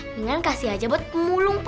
mingan kasih aja buat pemulung pa